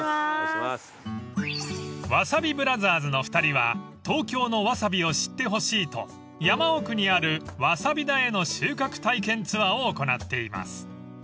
［わさびブラザーズの２人は東京のワサビを知ってほしいと山奥にあるワサビ田への収穫体験ツアーを行っています］